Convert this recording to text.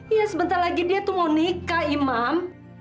iya sebentar lagi dia tuh mau nikah imam